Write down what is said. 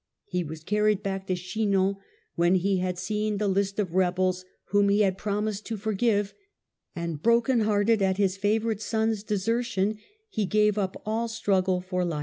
He was carried back to Chinon when he had seen the list of rebels whom he Ifeid pro mised to forgive, and broken hearted at his favourite son's The death of dcscrtion he gave up all struggle for life.